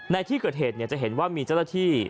ในที่เกิดเหตุเนี่ยจะเห็นว่ามีเจ้าตะที่